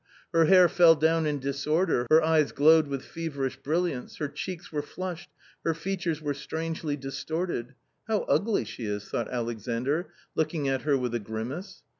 Her hair fell down in disorder, her eyes glowed with feverish brilliance, her cheeks were flushed, her features were strangely distorted —" How ugly s he is !" thought Alexandr, looking at her with a grimace.